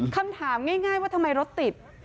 คำถามง่ายว่าทำไมรถติด